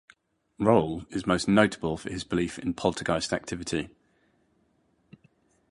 Roll is most notable for his belief in poltergeist activity.